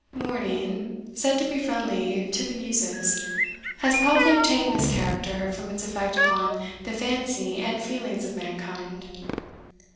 Morning, said to be friendly to the muses, has probably obtained this character from its effect upon the fancy and feelings of mankind.